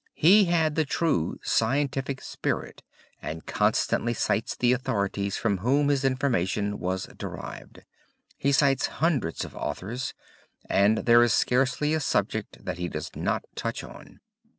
He had the true scientific spirit and constantly cites the authorities from whom his information was derived. He cites hundreds of authors and there is scarcely a subject that he does not touch on.